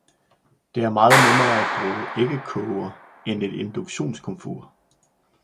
Det er meget nemmere at bruge æggekoger, end et induktionskomfur.